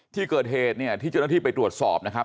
ที่เกิดเหตุเนี่ยที่เจ้าหน้าที่ไปตรวจสอบนะครับ